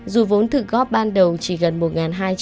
dù vốn thực góp ban đầu chỉ gần một hai trăm linh